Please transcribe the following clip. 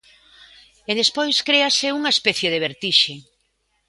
E despois créase unha especie de vertixe.